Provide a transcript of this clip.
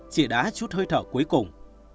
chị đã chút hơi thở cuối cùng